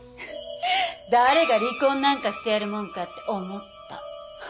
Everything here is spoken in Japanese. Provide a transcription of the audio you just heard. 誰が離婚なんかしてやるもんかって思った。